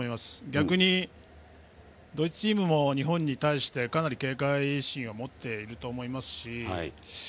逆に、ドイツチームも日本に対してかなり警戒心を持っていると思いますし。